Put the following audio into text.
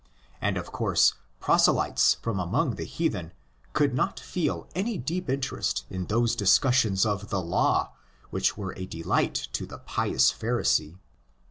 And, of course, proselytes from among the heathen could not feel any deep interest in those discussions of the law which were a delight to the pious Pharisee.